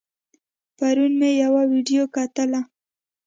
پرون مې يوه ويډيو کتله